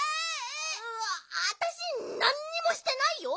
あたしなんにもしてないよ！